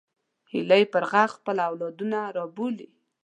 هیلۍ پر غږ خپل اولادونه رابولي